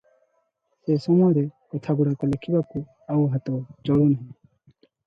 ସେ ସମୟର କଥାଗୁଡ଼ାକ ଲେଖିବାକୁ ଆଉ ହାତ ଚଳୁ ନାହିଁ ।